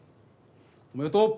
おめでとう。